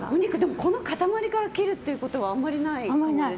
この塊から切るってことはあまりない。